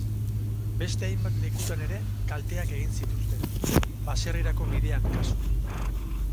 Beste hainbat lekutan ere kalteak egin zituzten, baserrirako bidean, kasu.